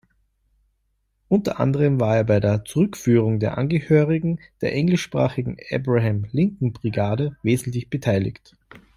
Unter anderem war er bei der Zurückführung der Angehörigen der englischsprachigen Abraham-Lincoln-Brigade wesentlich beteiligt.